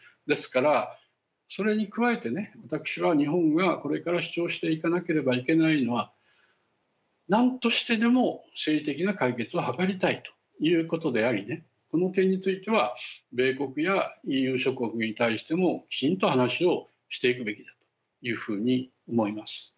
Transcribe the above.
ですから、それに加えて私は日本がこれから主張していかなければいけないのは、なんとしてでも政治的な解決を図りたいということでありこの点については米国やＥＵ諸国に対してもきちんと話をしていくべきだというふうに思います。